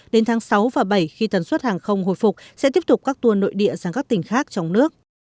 đến tháng sáu và bảy khi tần suất hàng không hồi phục sẽ tiếp tục các tour nội địa sang các tỉnh khác trong nước